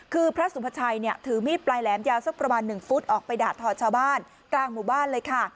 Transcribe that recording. คือพระสุภาชัยถือมีดปลายแหลมยาวสักประมาณ๑ฟุตออกไปด่าทอชาวบ้านกลางหมู่บ้านเลยค่ะ